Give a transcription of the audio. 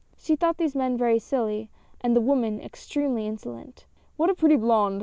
She thought these men very silly, and the woman extremely insolent. " What a pretty blonde !